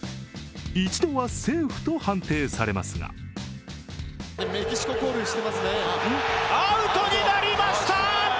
一度はセーフと判定されますがアウトになりました！